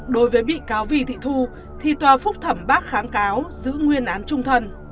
đối với bị cáo vì thị thu thì tòa phúc thẩm bác kháng cáo giữ nguyên án trung thân